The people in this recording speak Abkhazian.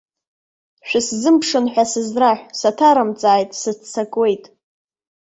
Шәысзымԥшын ҳәа сызраҳә, саҭарымҵааит, сыццакуеит.